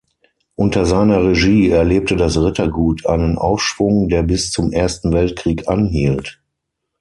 Unter seiner Regie erlebte das Rittergut einen Aufschwung, der bis zum Ersten Weltkrieg anhielt.